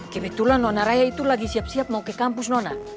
kebetulan nona raya itu lagi siap siap mau ke kampus nona